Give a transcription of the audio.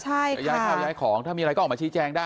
จะย้ายข้าวย้ายของถ้ามีอะไรก็ออกมาชี้แจงได้